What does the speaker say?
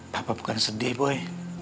papa bukan sedih boy